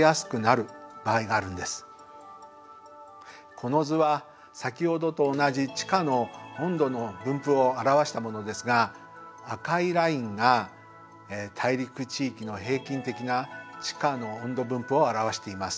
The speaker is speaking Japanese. この図はさきほどと同じ地下の温度の分布を表したものですが赤いラインが大陸地域の平均的な地下の温度分布を表しています。